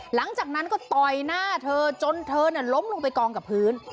หลังจากนั้นก็ต่อยหน้าเธอจนเธอล้มลงไปกองกับพื้น